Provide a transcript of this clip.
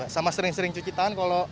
sama sering sering cuci tangan